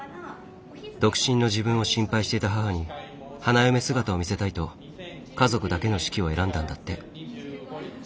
独身の自分を心配していた母に花嫁姿を見せたいと家族だけの式を選んだんだって。